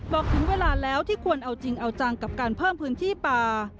บอกถึงเวลาแล้วที่ควรเอาจริงเอาจังกับการเพิ่มพื้นที่ป่า